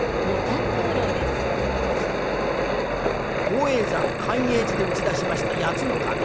東叡山寛永寺で打ち出しました八つの鐘。